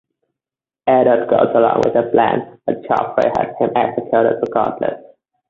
Eddard goes along with the plan, but Joffrey has him executed regardless.